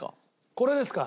これですか？